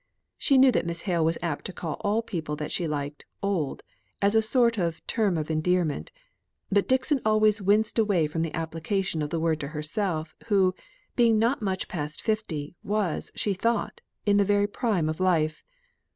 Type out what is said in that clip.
She knew that Miss Hale was apt to call all people that she liked "old," as a sort of term of endearment; but Dixon always winced away from the application of the word to herself, who, being not much past fifty, was, she thought, in the very prime of life.